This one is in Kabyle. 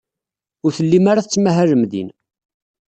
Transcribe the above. Ur tellim ara tettmahalem din.